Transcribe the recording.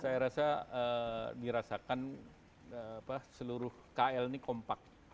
saya rasa dirasakan seluruh kl ini kompak